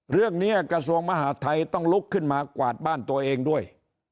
กระทรวงมหาดไทยต้องลุกขึ้นมากวาดบ้านตัวเองด้วย